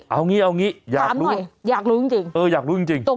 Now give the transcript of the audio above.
เอางี้เอางี้อยากรู้ถามหน่อยอยากรู้จริงจริงเอออยากรู้จริงจริง